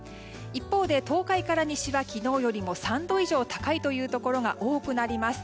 一方で東海から西は昨日よりも３度以上高いというところが多くなります。